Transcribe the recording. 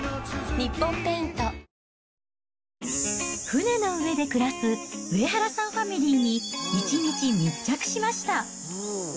船の上で暮らす上原さんファミリーに１日密着しました。